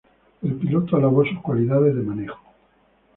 El piloto alabó sus cualidades de manejo.